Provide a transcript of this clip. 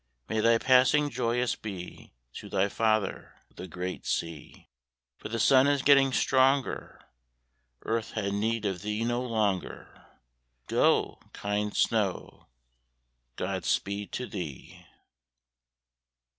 May thy passing joyous be To thy father, the great sea, For the sun is getting stronger; Earth hath need of thee no longer; Go, kind snow, God speed to thee!